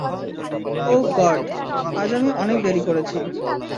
ওহ God, আজ আমি অনেক দেরি করেছি।